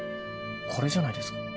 これじゃないですか？